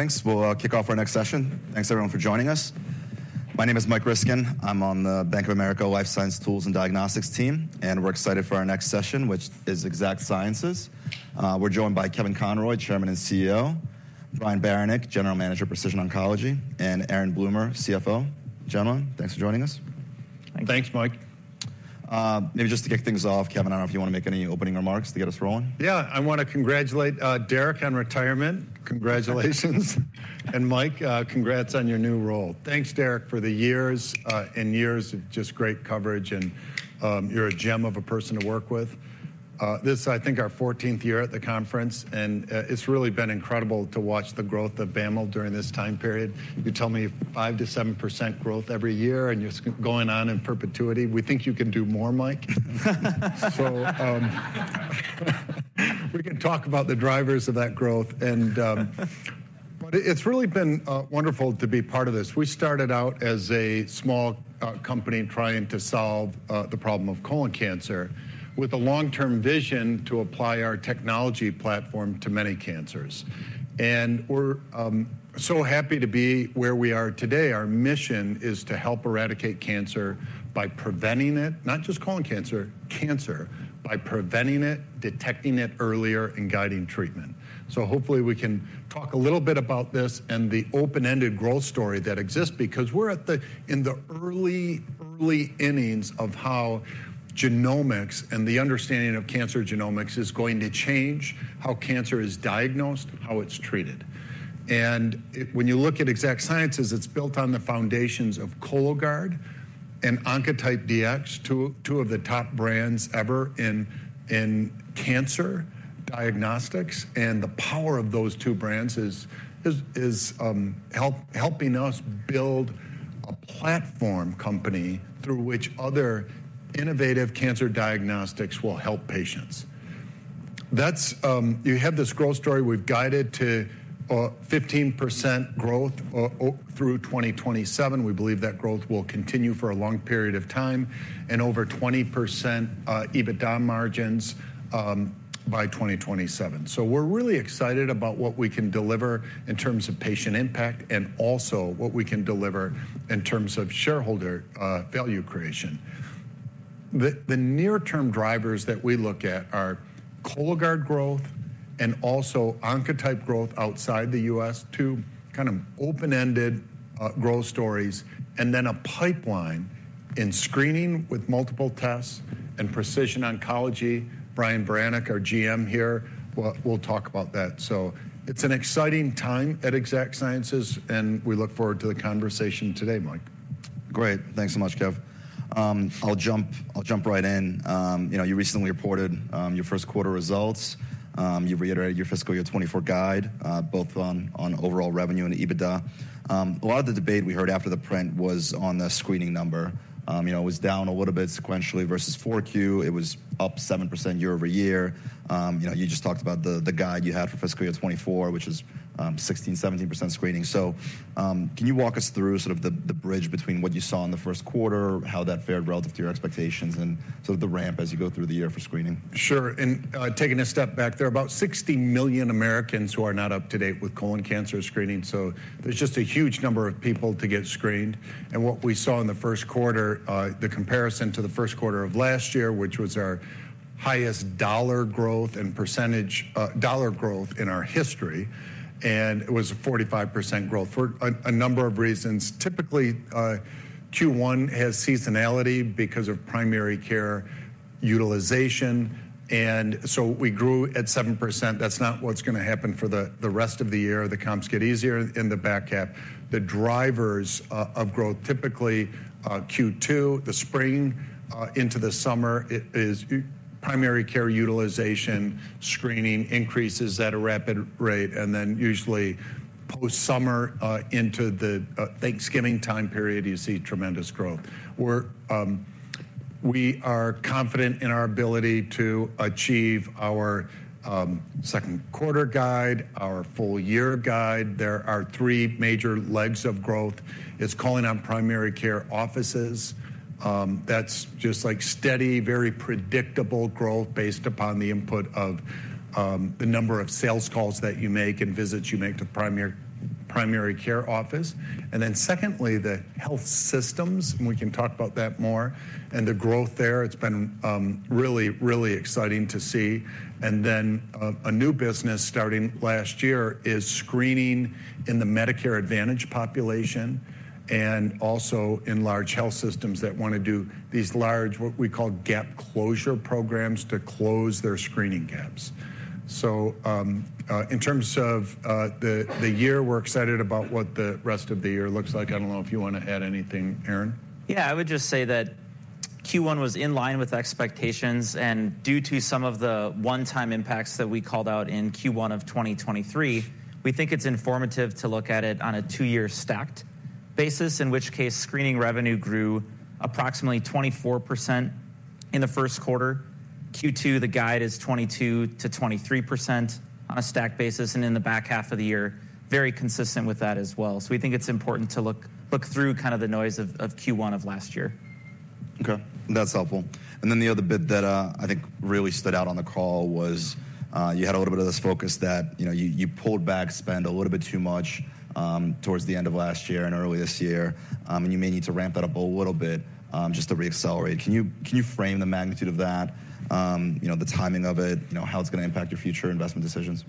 Thanks. We'll kick off our next session. Thanks, everyone, for joining us. My name is Michael Ryskin. I'm on the Bank of America Life Science Tools and Diagnostics team, and we're excited for our next session, which is Exact Sciences. We're joined by Kevin Conroy, Chairman and CEO, Brian Baranick, General Manager, Precision Oncology, and Aaron Bloomer, CFO. Gentlemen, thanks for joining us. Thanks, Mike. Maybe just to kick things off, Kevin, I don't know if you wanna make any opening remarks to get us rolling? Yeah. I want to congratulate, Derek, on retirement. Congratulations. And Mike, congrats on your new role. Thanks, Derek, for the years, and years of just great coverage and, you're a gem of a person to work with. This is, I think, our fourteenth year at the conference, and, it's really been incredible to watch the growth of BAML during this time period. You tell me 5%-7% growth every year, and it's going on in perpetuity. We think you can do more, Mike. So, we can talk about the drivers of that growth. And, but it's really been, wonderful to be part of this. We started out as a small, company trying to solve, the problem of colon cancer, with a long-term vision to apply our technology platform to many cancers. We're so happy to be where we are today. Our mission is to help eradicate cancer by preventing it, not just colon cancer, cancer, by preventing it, detecting it earlier and guiding treatment. Hopefully, we can talk a little bit about this and the open-ended growth story that exists because we're in the early, early innings of how genomics and the understanding of cancer genomics is going to change how cancer is diagnosed, how it's treated. When you look at Exact Sciences, it's built on the foundations of Cologuard and Oncotype DX, two of the top brands ever in cancer diagnostics, and the power of those two brands is helping us build a platform company through which other innovative cancer diagnostics will help patients. That's. You have this growth story we've guided to 15% growth through 2027. We believe that growth will continue for a long period of time, and over 20% EBITDA margins by 2027. So we're really excited about what we can deliver in terms of patient impact and also what we can deliver in terms of shareholder value creation. The near-term drivers that we look at are Cologuard growth and also Oncotype growth outside the U.S., two kind of open-ended growth stories, and then a pipeline in screening with multiple tests and precision oncology. Brian Baranick, our GM here, well, will talk about that. So it's an exciting time at Exact Sciences, and we look forward to the conversation today, Mike. Great. Thanks so much, Kev. I'll jump right in. You know, you recently reported your first quarter results. You reiterated your fiscal year 2024 guide, both on overall revenue and EBITDA. A lot of the debate we heard after the print was on the screening number. You know, it was down a little bit sequentially versus 4Q. It was up 7% year-over-year. You know, you just talked about the guide you had for fiscal year 2024, which is 16%-17% screening. So, can you walk us through sort of the bridge between what you saw in the first quarter, how that fared relative to your expectations, and sort of the ramp as you go through the year for screening? Sure. And taking a step back, there are about 60 million Americans who are not up to date with colon cancer screening, so there's just a huge number of people to get screened. And what we saw in the first quarter, the comparison to the first quarter of last year, which was our highest dollar growth and percentage, dollar growth in our history, and it was a 45% growth for a number of reasons. Typically, Q1 has seasonality because of primary care utilization, and so we grew at 7%. That's not what's gonna happen for the rest of the year. The comps get easier in the back half. The drivers of growth, typically, Q2, the spring, into the summer, it is primary care utilization, screening increases at a rapid rate, and then usually post-summer, into the Thanksgiving time period, you see tremendous growth. We are confident in our ability to achieve our second quarter guide, our full year guide. There are three major legs of growth. It's calling on primary care offices, that's just like steady, very predictable growth based upon the input of the number of sales calls that you make and visits you make to primary care office. And then secondly, the health systems, and we can talk about that more, and the growth there, it's been really, really exciting to see. Then, a new business starting last year is screening in the Medicare Advantage population and also in large health systems that wanna do these large, what we call gap closure programs, to close their screening gaps. In terms of the year, we're excited about what the rest of the year looks like. I don't know if you want to add anything, Aaron? Yeah, I would just say that Q1 was in line with expectations, and due to some of the one-time impacts that we called out in Q1 of 2023, we think it's informative to look at it on a two-year stacked basis, in which case, screening revenue grew approximately 24% in the first quarter. Q2, the guide is 22%-23% on a stacked basis, and in the back half of the year, very consistent with that as well. So we think it's important to look through kind of the noise of Q1 of last year. Okay, that's helpful. And then the other bit that, I think really stood out on the call was, you had a little bit of this focus that, you know, you, you pulled back, spend a little bit too much, towards the end of last year and early this year, and you may need to ramp that up a little bit, just to re-accelerate. Can you, can you frame the magnitude of that, you know, the timing of it, you know, how it's gonna impact your future investment decisions?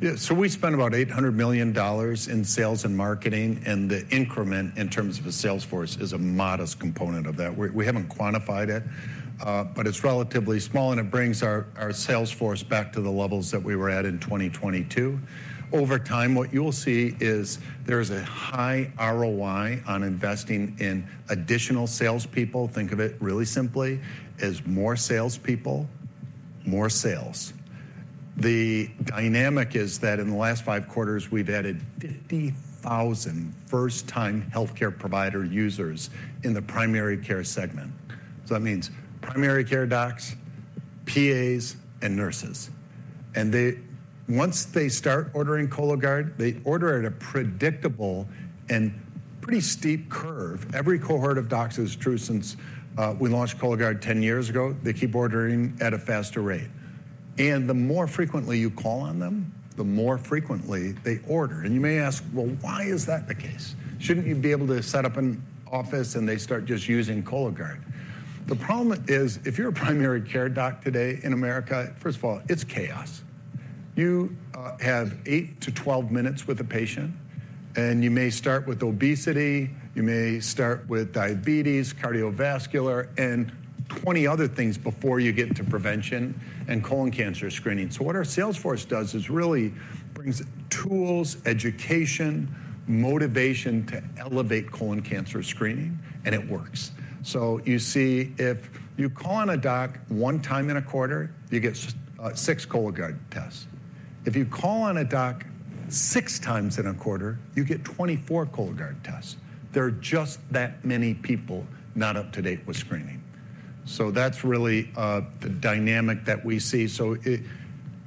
Yeah. So we spent about $800 million in sales and marketing, and the increment in terms of the sales force is a modest component of that. We haven't quantified it, but it's relatively small, and it brings our sales force back to the levels that we were at in 2022. Over time, what you'll see is there's a high ROI on investing in additional sales people. Think of it really simply as more salespeople, more sales. The dynamic is that in the last five quarters, we've added 50,000 first-time healthcare provider users in the Primary Care segment. So that means primary care docs, PAs, and nurses. And they once they start ordering Cologuard, they order at a predictable and pretty steep curve. Every cohort of docs is true since we launched Cologuard 10 years ago. They keep ordering at a faster rate. And the more frequently you call on them, the more frequently they order. And you may ask: Well, why is that the case? Shouldn't you be able to set up an office and they start just using Cologuard? The problem is, if you're a primary care doc today in America, first of all, it's chaos. You have eight to 12 minutes with a patient, and you may start with obesity, you may start with diabetes, cardiovascular, and 20 other things before you get into prevention and colon cancer screening. So what our sales force does is really brings tools, education, motivation to elevate colon cancer screening, and it works. So you see, if you call on a doc one time in a quarter, you get six Cologuard tests. If you call on a doc six times in a quarter, you get 24 Cologuard tests. There are just that many people not up to date with screening. So that's really, the dynamic that we see. So,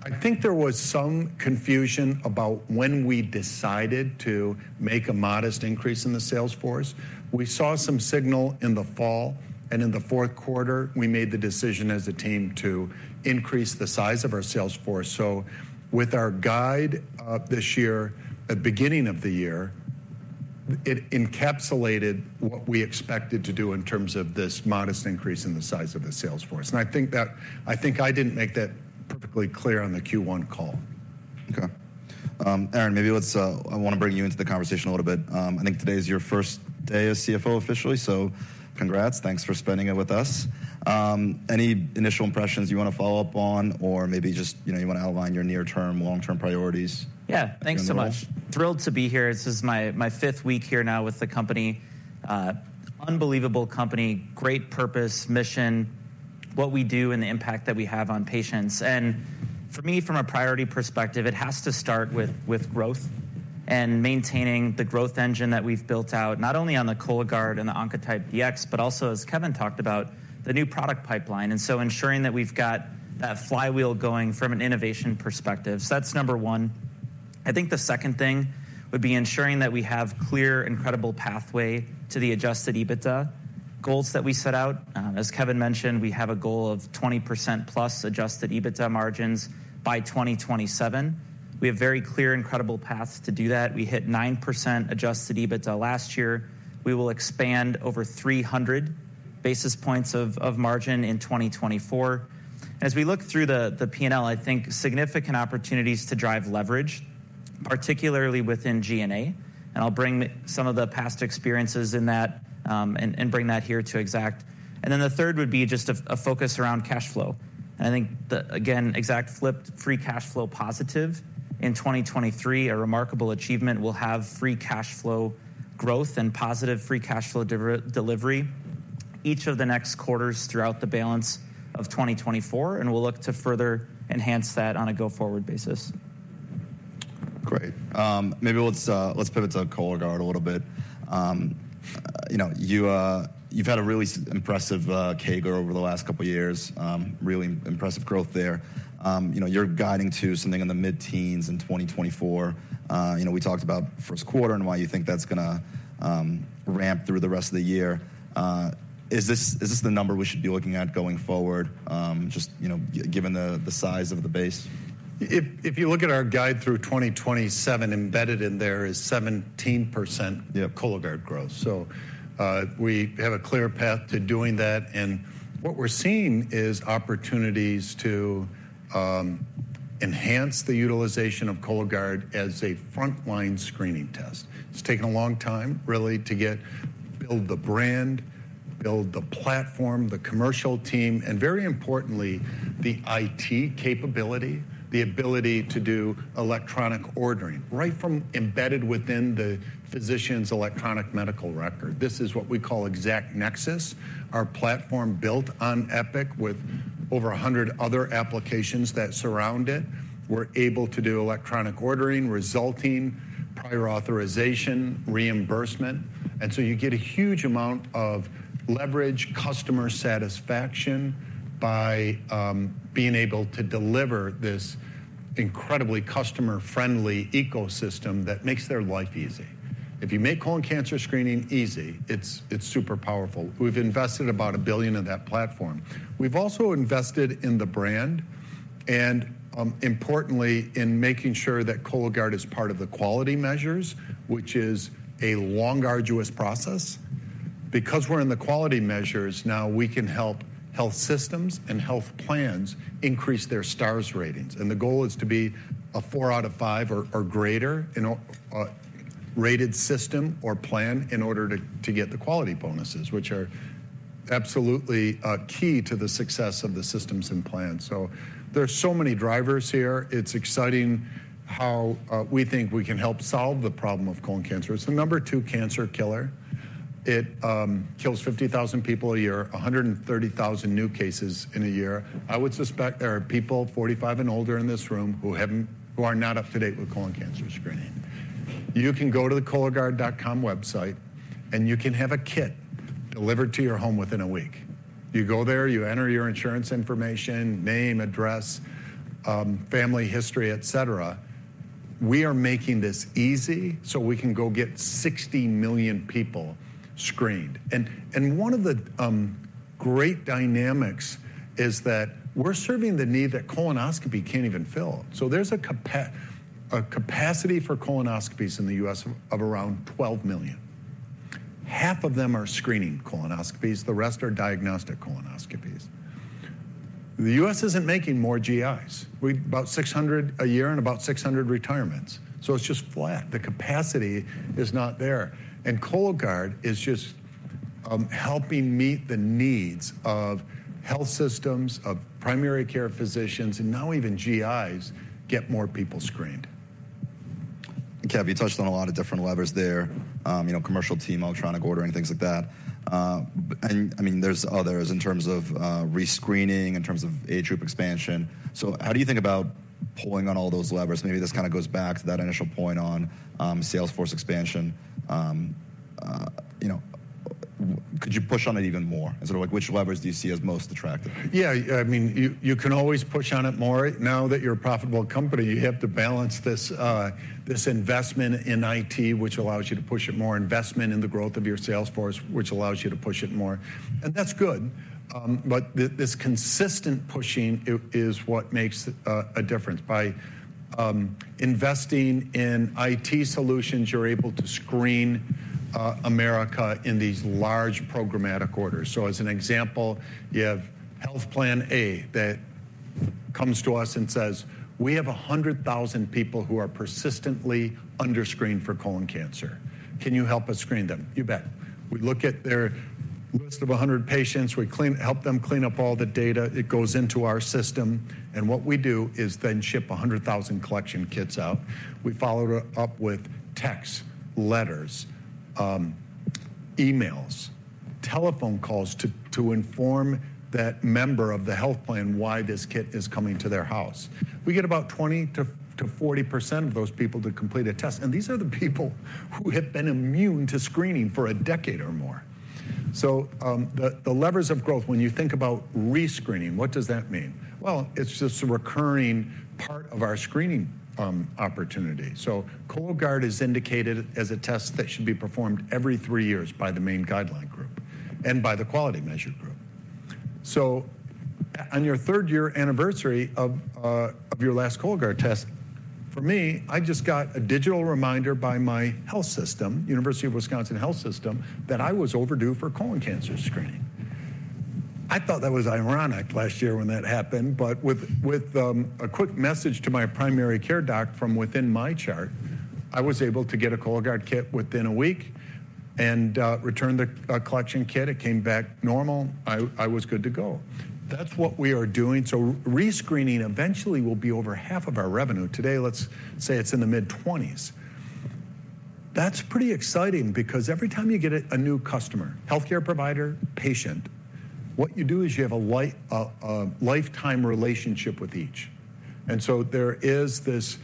I think there was some confusion about when we decided to make a modest increase in the sales force. We saw some signal in the fall, and in the fourth quarter, we made the decision as a team to increase the size of our sales force. So with our guide of this year, at beginning of the year, it encapsulated what we expected to do in terms of this modest increase in the size of the sales force. And I think that-- I think I didn't make that perfectly clear on the Q1 call. Okay. Aaron, maybe let's, I wanna bring you into the conversation a little bit. I think today is your first day as CFO officially, so congrats. Thanks for spending it with us. Any initial impressions you wanna follow up on or maybe just, you know, you wanna outline your near-term, long-term priorities? Yeah, thanks so much. Thrilled to be here. This is my, my fifth week here now with the company. Unbelievable company, great purpose, mission, what we do, and the impact that we have on patients. And for me, from a priority perspective, it has to start with, with growth and maintaining the growth engine that we've built out, not only on the Cologuard and the Oncotype DX, but also, as Kevin talked about, the new product pipeline, and so ensuring that we've got that flywheel going from an innovation perspective. So that's number one. I think the second thing would be ensuring that we have clear and credible pathway to the adjusted EBITDA goals that we set out. As Kevin mentioned, we have a goal of 20%+ adjusted EBITDA margins by 2027. We have very clear and credible paths to do that. We hit 9% adjusted EBITDA last year. We will expand over 300 basis points of margin in 2024. As we look through the P&L, I think significant opportunities to drive leverage, particularly within G&A, and I'll bring some of the past experiences in that, and bring that here to Exact. And then the third would be just a focus around cash flow. And I think, again, Exact flipped free cash flow positive in 2023, a remarkable achievement. We'll have free cash flow growth and positive free cash flow delivery each of the next quarters throughout the balance of 2024, and we'll look to further enhance that on a go-forward basis. Great. Maybe let's pivot to Cologuard a little bit. You know, you, you've had a really impressive CAGR over the last couple of years, really impressive growth there. You know, you're guiding to something in the mid-teens in 2024. You know, we talked about first quarter and why you think that's gonna ramp through the rest of the year. Is this, is this the number we should be looking at going forward, just, you know, given the, the size of the base? If you look at our guide through 2027, embedded in there is 17%, yeah, Cologuard growth. So, we have a clear path to doing that, and what we're seeing is opportunities to enhance the utilization of Cologuard as a frontline screening test. It's taken a long time, really, to get build the brand, build the platform, the commercial team, and very importantly, the IT capability, the ability to do electronic ordering, right from embedded within the physician's electronic medical record. This is what we call Exact Nexus, our platform built on Epic with over 100 other applications that surround it. We're able to do electronic ordering, resulting prior authorization, reimbursement, and so you get a huge amount of leverage, customer satisfaction, by being able to deliver this incredibly customer-friendly ecosystem that makes their life easy. If you make colon cancer screening easy, it's super powerful. We've invested about $1 billion in that platform. We've also invested in the brand, and importantly, in making sure that Cologuard is part of the quality measures, which is a long, arduous process. Because we're in the quality measures now, we can help health systems and health plans increase their Star Ratings, and the goal is to be a four out of five or greater in a rated system or plan in order to get the quality bonuses, which are absolutely key to the success of the systems and plans. So there are so many drivers here. It's exciting how we think we can help solve the problem of colon cancer. It's the number two cancer killer. It kills 50,000 people a year, 130,000 new cases in a year. I would suspect there are people 45 and older in this room who are not up to date with colon cancer screening. You can go to the cologuard.com website, and you can have a kit delivered to your home within a week. You go there, you enter your insurance information, name, address, family history, et cetera. We are making this easy, so we can go get 60 million people screened. And one of the great dynamics is that we're serving the need that colonoscopy can't even fill. So there's a capacity for colonoscopies in the U.S. of around 12 million. Half of them are screening colonoscopies; the rest are diagnostic colonoscopies. The U.S. isn't making more GIs. We're about 600 a year and about 600 retirements, so it's just flat. The capacity is not there. And Cologuard is just helping meet the needs of health systems, of primary care physicians, and now even GIs get more people screened. Kev, you touched on a lot of different levers there, you know, commercial team, electronic ordering, things like that. And, I mean, there's others in terms of rescreening, in terms of age group expansion. So how do you think about pulling on all those levers? Maybe this kind of goes back to that initial point on sales force expansion. You know, could you push on it even more? And sort of like, which levers do you see as most attractive? Yeah, I mean, you can always push on it more. Now that you're a profitable company, you have to balance this, this investment in IT, which allows you to push it more, investment in the growth of your sales force, which allows you to push it more, and that's good. But this consistent pushing is what makes a difference. By investing in IT solutions, you're able to screen America in these large programmatic orders. So as an example, you have health plan A that comes to us and says, "We have 100,000 people who are persistently under-screened for colon cancer. Can you help us screen them?" You bet. We look at their list of 100 patients, we clean... help them clean up all the data. It goes into our system, and what we do is then ship 100,000 collection kits out. We follow up with texts, letters, emails, telephone calls, to inform that member of the health plan why this kit is coming to their house. We get about 20%-40% of those people to complete a test, and these are the people who had been immune to screening for a decade or more. So, the levers of growth, when you think about rescreening, what does that mean? Well, it's just a recurring part of our screening opportunity. So Cologuard is indicated as a test that should be performed every three years by the main guideline group and by the quality measure group. So on your third-year anniversary of your last Cologuard test, for me, I just got a digital reminder by my health system, University of Wisconsin Health System, that I was overdue for colon cancer screening. I thought that was ironic last year when that happened, but with a quick message to my primary care doc from within my chart, I was able to get a Cologuard kit within a week and return the collection kit. It came back normal. I was good to go. That's what we are doing. So re-screening eventually will be over half of our revenue. Today, let's say it's in the mid-twenties. That's pretty exciting because every time you get a new customer, healthcare provider, patient, what you do is you have a lifetime relationship with each. And so there is this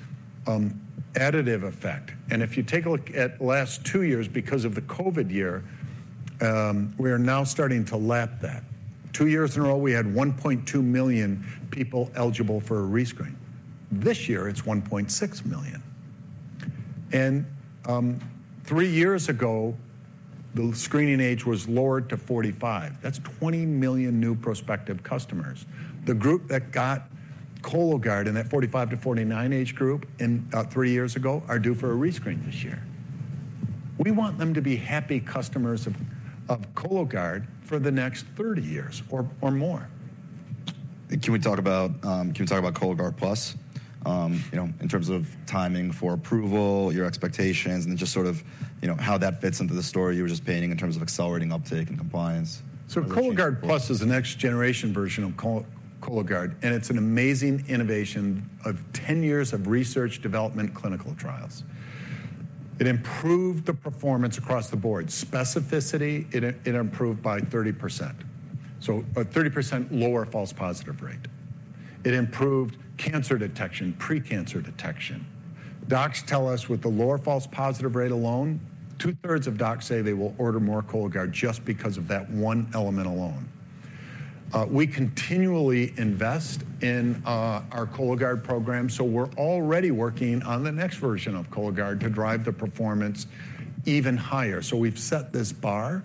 additive effect. If you take a look at last two 2 years, because of the COVID year, we are now starting to lap that. two years in a row, we had 1.2 million people eligible for a rescreen. This year, it's 1.6 million. Three years ago, the screening age was lowered to 45. That's 20 million new prospective customers. The group that got Cologuard in that 45-49 age group three years ago are due for a rescreen this year. We want them to be happy customers of Cologuard for the next 30 years or more. Can we talk about Cologuard Plus? You know, in terms of timing for approval, your expectations, and just sort of, you know, how that fits into the story you were just painting in terms of accelerating uptake and compliance. So Cologuard Plus is the next generation version of Cologuard, and it's an amazing innovation of 10 years of research development clinical trials. It improved the performance across the board. Specificity, it improved by 30%, so a 30% lower false positive rate. It improved cancer detection, pre-cancer detection. Docs tell us with the lower false positive rate alone, two-thirds of docs say they will order more Cologuard just because of that one element alone. We continually invest in our Cologuard program, so we're already working on the next version of Cologuard to drive the performance even higher. So we've set this bar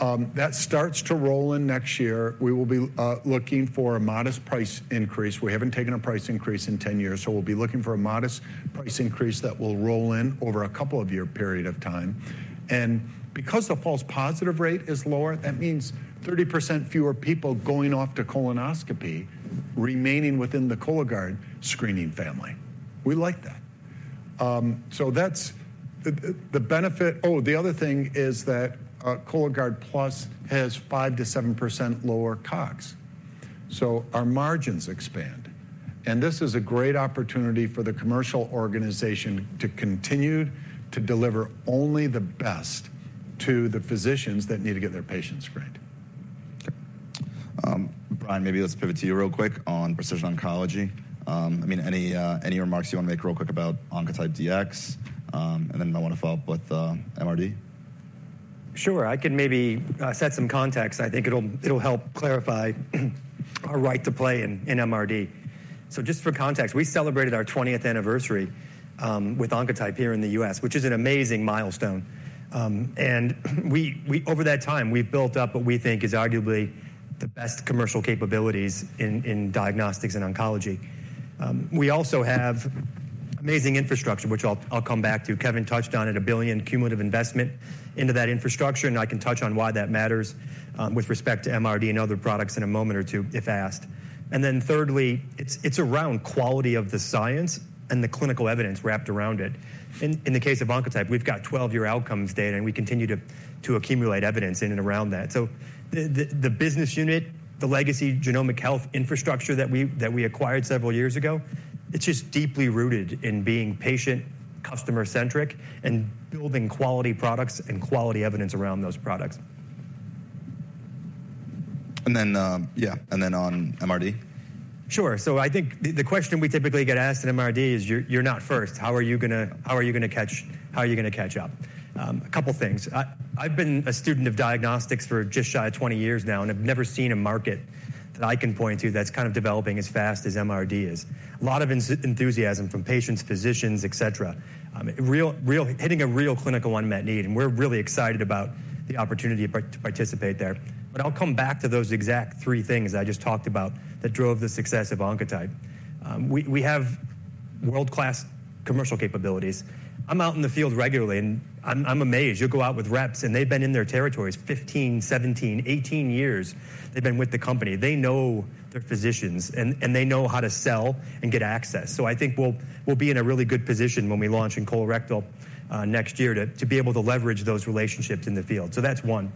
that starts to roll in next year. We will be looking for a modest price increase. We haven't taken a price increase in 10 years, so we'll be looking for a modest price increase that will roll in over a couple of year period of time. And because the false positive rate is lower, that means 30% fewer people going off to colonoscopy, remaining within the Cologuard screening family. We like that. So that's the benefit. Oh, the other thing is that Cologuard Plus has 5%-7% lower COGS, so our margins expand. And this is a great opportunity for the commercial organization to continue to deliver only the best to the physicians that need to get their patients screened. Brian, maybe let's pivot to you real quick on precision oncology. I mean, any remarks you want to make real quick about Oncotype DX? And then I want to follow up with MRD. Sure. I can maybe set some context. I think it'll help clarify our right to play in MRD. So just for context, we celebrated our 20th anniversary with Oncotype here in the U.S., which is an amazing milestone. And we over that time, we've built up what we think is arguably the best commercial capabilities in diagnostics and oncology. We also have amazing infrastructure, which I'll come back to. Kevin touched on it, $1 billion cumulative investment into that infrastructure, and I can touch on why that matters with respect to MRD and other products in a moment or two, if asked. And then thirdly, it's around quality of the science and the clinical evidence wrapped around it. In the case of Oncotype, we've got 12-year outcomes data, and we continue to accumulate evidence in and around that. So the business unit, the legacy Genomic Health Infrastructure that we acquired several years ago, it's just deeply rooted in being patient, customer-centric, and building quality products and quality evidence around those products. And then, yeah, and then on MRD? Sure. So I think the question we typically get asked in MRD is: "You're not first. How are you gonna catch up?" A couple of things. I've been a student of diagnostics for just shy of 20 years now, and I've never seen a market that I can point to that's kind of developing as fast as MRD is. A lot of enthusiasm from patients, physicians, et cetera. Real, real hitting a real clinical unmet need, and we're really excited about the opportunity to participate there. But I'll come back to those exact three things I just talked about that drove the success of Oncotype. We have world-class commercial capabilities. I'm out in the field regularly, and I'm amazed. You'll go out with reps, and they've been in their territories 15, 17, 18 years they've been with the company. They know their physicians, and they know how to sell and get access. So I think we'll be in a really good position when we launch in colorectal next year, to be able to leverage those relationships in the field. So that's one.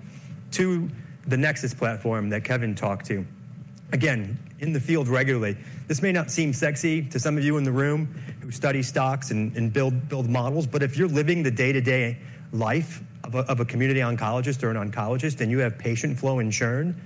Two, the Nexus platform that Kevin talked to. Again, in the field regularly, this may not seem sexy to some of you in the room who study stocks and build models, but if you're living the day-to-day life of a community oncologist or an oncologist, and you have patient flow and churn,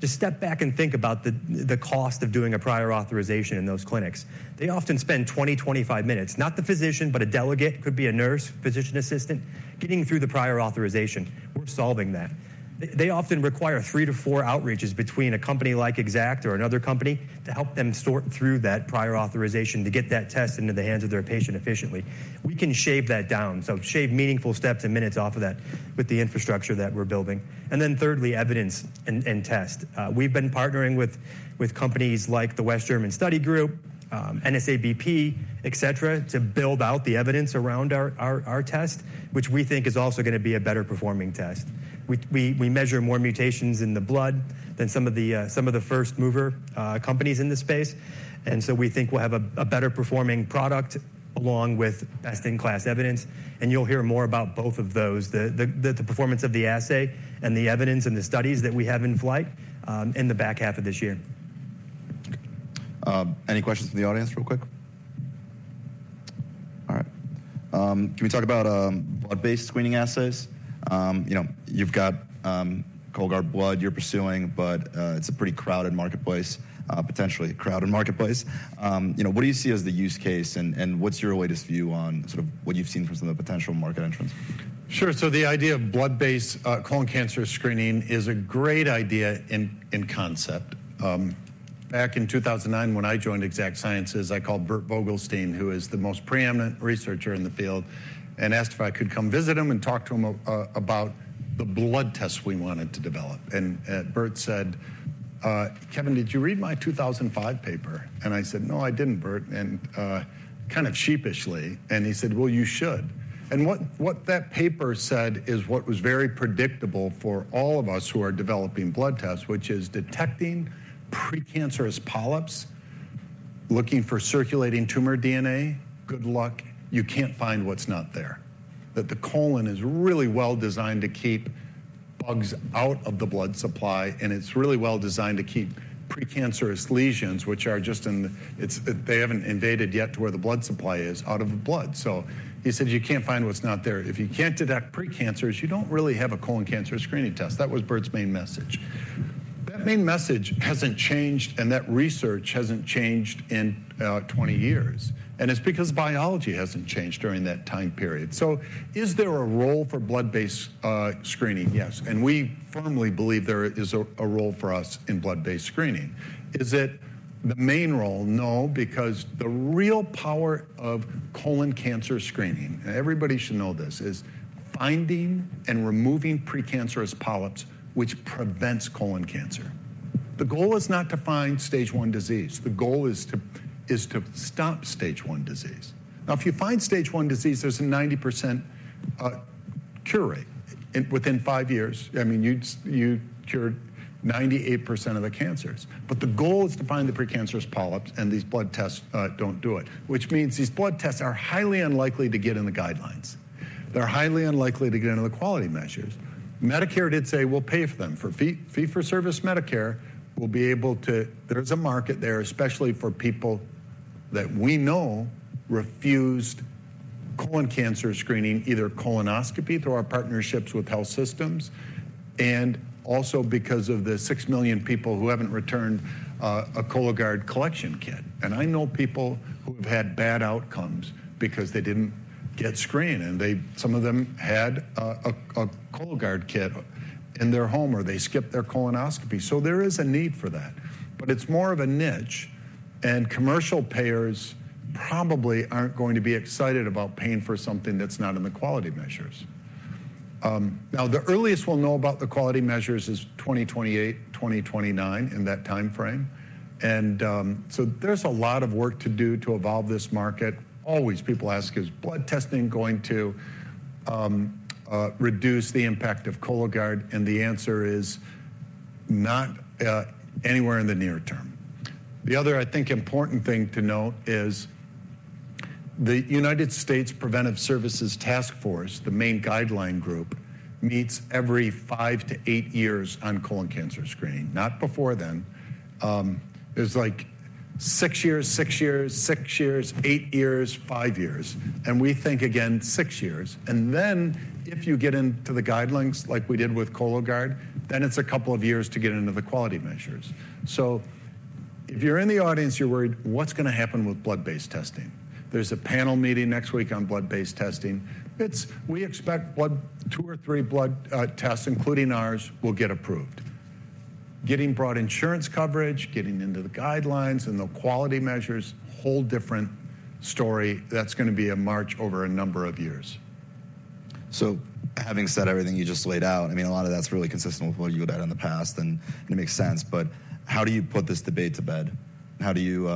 just step back and think about the cost of doing a prior authorization in those clinics. They often spend 20-25 minutes, not the physician, but a delegate. Could be a nurse, physician assistant, getting through the prior authorization. We're solving that. They, they often require three to four outreaches between a company like Exact or another company to help them sort through that prior authorization to get that test into the hands of their patient efficiently. We can shave that down, so shave meaningful steps and minutes off of that with the infrastructure that we're building. And then thirdly, evidence and, and test. We've been partnering with, with companies like the West German Study Group, NSABP, et cetera, to build out the evidence around our, our, our test, which we think is also gonna be a better performing test. We measure more mutations in the blood than some of the first mover companies in this space, and so we think we'll have a better performing product along with best-in-class evidence. And you'll hear more about both of those, the performance of the assay and the evidence and the studies that we have in flight, in the back half of this year. Any questions from the audience real quick? All right. Can we talk about blood-based screening assays? You know, you've got Cologuard Blood you're pursuing, but it's a pretty crowded marketplace, potentially a crowded marketplace. You know, what do you see as the use case, and, and what's your latest view on sort of what you've seen from some of the potential market entrants? Sure. So the idea of blood-based colon cancer screening is a great idea in concept. Back in 2009, when I joined Exact Sciences, I called Bert Vogelstein, who is the most preeminent researcher in the field, and asked if I could come visit him and talk to him about the blood test we wanted to develop. And Bert said, "Kevin, did you read my 2005 paper?" And I said, "No, I didn't, Bert," and kind of sheepishly, and he said, "Well, you should." And what that paper said is what was very predictable for all of us who are developing blood tests, which is detecting precancerous polyps, looking for circulating tumor DNA. Good luck. You can't find what's not there. That the colon is really well designed to keep bugs out of the blood supply, and it's really well designed to keep precancerous lesions, which are just in... They haven't invaded yet to where the blood supply is out of the blood. So he said, "You can't find what's not there. If you can't detect precancerous, you don't really have a colon cancer screening test." That was Bert's main message. That main message hasn't changed, and that research hasn't changed in 20 years, and it's because biology hasn't changed during that time period. So is there a role for blood-based screening? Yes, and we firmly believe there is a role for us in blood-based screening. Is it the main role? No, because the real power of colon cancer screening, and everybody should know this, is finding and removing precancerous polyps, which prevents colon cancer. The goal is not to find stage one disease. The goal is to stop stage one disease. Now, if you find stage one disease, there's a 90% cure rate within five years. I mean, you cure 98% of the cancers. But the goal is to find the precancerous polyps, and these blood tests don't do it, which means these blood tests are highly unlikely to get in the guidelines. They're highly unlikely to get into the quality measures. Medicare did say, "We'll pay for them." For fee-for-service Medicare will be able to. There's a market there, especially for people that we know refused colon cancer screening, either colonoscopy through our partnerships with health systems and also because of the six million people who haven't returned a Cologuard collection kit. And I know people who have had bad outcomes because they didn't get screened, and they, some of them had a Cologuard kit in their home, or they skipped their colonoscopy. So there is a need for that, but it's more of a niche, and commercial payers probably aren't going to be excited about paying for something that's not in the quality measures. Now, the earliest we'll know about the quality measures is 2028, 2029, in that timeframe. And, so there's a lot of work to do to evolve this market. Always, people ask, "Is blood testing going to reduce the impact of Cologuard?" And the answer is not anywhere in the near term. The other, I think, important thing to note is the United States Preventive Services Task Force, the main guideline group, meets every five to eight years on colon cancer screening, not before then. There's like six years, six years, six years, eight years, five years, and we think again, six years. And then if you get into the guidelines like we did with Cologuard, then it's a couple of years to get into the quality measures. So if you're in the audience, you're worried, what's gonna happen with blood-based testing? There's a panel meeting next week on blood-based testing. It's. We expect blood, two or three blood, tests, including ours, will get approved. Getting broad insurance coverage, getting into the guidelines and the quality measures, whole different story. That's gonna be a march over a number of years. So having said everything you just laid out, I mean, a lot of that's really consistent with what you had in the past, and it makes sense, but how do you put this debate to bed? How do you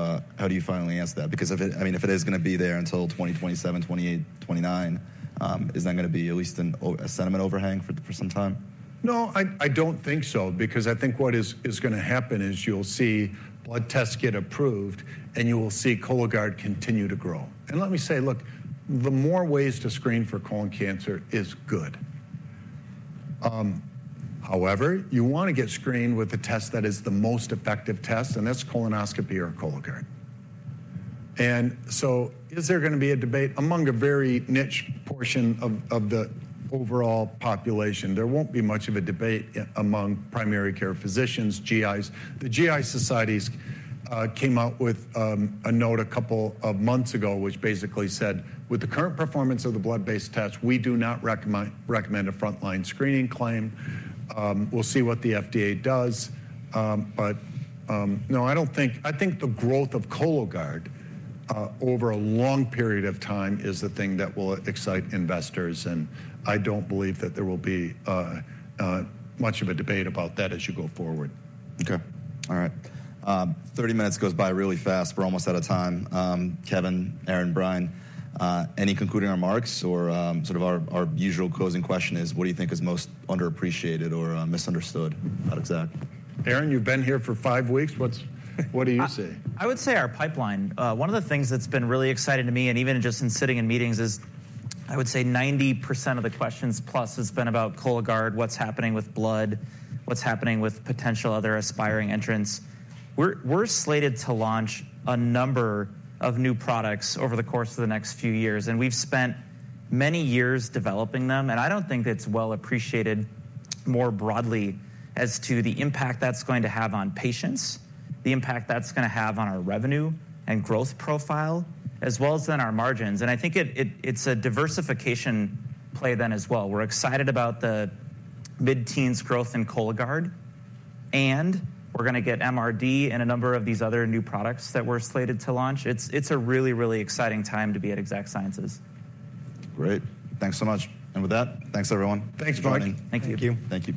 finally answer that? Because if it, I mean, if it is gonna be there until 2027, 2028, 2029, is that gonna be at least a sentiment overhang for some time? No, I don't think so because I think what is gonna happen is you'll see blood tests get approved, and you will see Cologuard continue to grow. And let me say, look, the more ways to screen for colon cancer is good. However, you wanna get screened with a test that is the most effective test, and that's colonoscopy or Cologuard. And so is there gonna be a debate among a very niche portion of the overall population? There won't be much of a debate among primary care physicians, GIs. The GI societies came out with a note a couple of months ago, which basically said, "With the current performance of the blood-based tests, we do not recommend a frontline screening claim." We'll see what the FDA does. But no, I don't think... I think the growth of Cologuard over a long period of time is the thing that will excite investors, and I don't believe that there will be much of a debate about that as you go forward. Okay. All right. 30 minutes goes by really fast. We're almost out of time. Kevin, Aaron, Brian, any concluding remarks or sort of our usual closing question is, what do you think is most underappreciated or misunderstood about Exact? Aaron, you've been here for five weeks. What do you say? I would say our pipeline. One of the things that's been really exciting to me, and even just in sitting in meetings, is I would say 90% of the questions plus has been about Cologuard, what's happening with blood, what's happening with potential other aspiring entrants. We're slated to launch a number of new products over the course of the next few years, and we've spent many years developing them. And I don't think it's well appreciated more broadly as to the impact that's going to have on patients, the impact that's gonna have on our revenue and growth profile, as well as on our margins, and I think it, it's a diversification play then as well. We're excited about the mid-teens growth in Cologuard, and we're gonna get MRD and a number of these other new products that we're slated to launch. It's a really, really exciting time to be at Exact Sciences. Great. Thanks so much. With that, thanks, everyone. Thanks, Mike. Thank you. Thank you. Thank you.